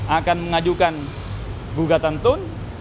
akan mengajukan gugatan tun